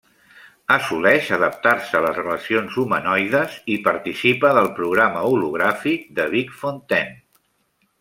Assoleix adaptar-se a les relacions humanoides, i participa del programa hologràfic de Vic Fontaine.